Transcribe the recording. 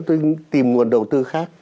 tôi tìm nguồn đầu tư khác